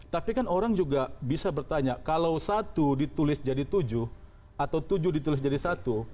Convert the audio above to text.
tapi kan orang juga bisa bertanya kalau satu ditulis jadi tujuh atau tujuh ditulis jadi satu